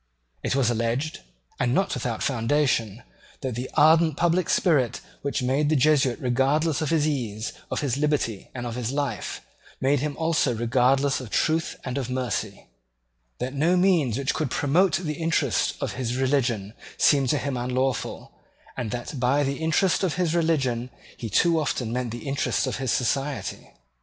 It was alleged, and not without foundation, that the ardent public spirit which made the Jesuit regardless of his ease, of his liberty, and of his life, made him also regardless of truth and of mercy; that no means which could promote the interest of his religion seemed to him unlawful, and that by the interest of his religion he too often meant the interest of his Society.